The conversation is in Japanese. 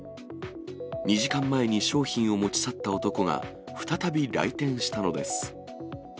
２時間前に商品を持ち去った男が、再び来店したのです。